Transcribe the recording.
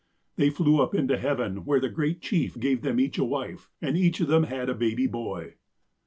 "They flew up into heaven, where the Great Chief gave them each a wife, and each of them had a baby boy.